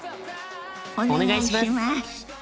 お願いします。